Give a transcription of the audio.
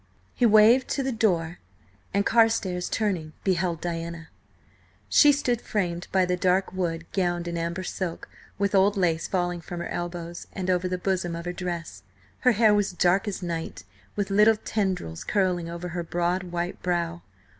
He waved to the door, and Carstares, turning, beheld Diana. She stood framed by the dark wood, gowned in amber silk, with old lace falling from her elbows and over the bosom of her dress. Her hair was dark as night, with little tendrils curling over her broad, white brow.